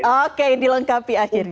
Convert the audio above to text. oke dilengkapi akhirnya